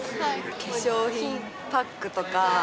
化粧品、パックとか。